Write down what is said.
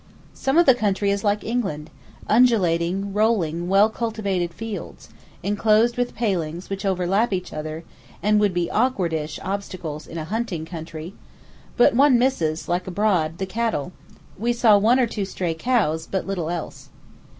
Some of the country is like England, undulating, rolling, well cultivated fields, enclosed with pailings which overlap each other and would be awkwardish obstacles in a hunting country; but one misses, like abroad, the cattle we saw one or two stray cows, but little else.